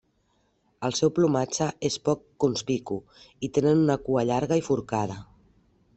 El seu plomatge és poc conspicu i tenen una cua llarga i forcada.